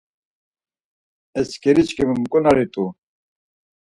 Etsxeriçkimi mu k̆onari rt̆u?